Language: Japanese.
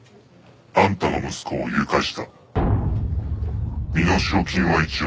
「あんたの息子を誘拐した」「身代金は１億。